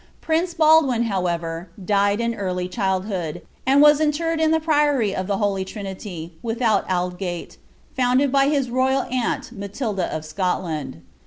Prince Baldwin, howe*tfi died in early childhood, and was interred in the priory of the Holy Trinity, without Aldgate, founded by his royal aunt, Matilda of Scot land.